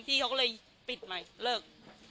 พี่เขาก็เลยปิดใหม่เลิก